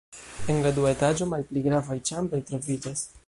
En la dua etaĝo malpli gravaj ĉambroj troviĝas.